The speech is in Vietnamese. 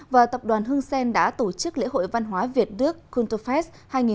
và tập đoàn hương sen đã tổ chức lễ hội văn hóa việt đức cunterfest hai nghìn hai mươi